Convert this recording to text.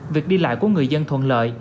việc đi lại của người dân thuận lợi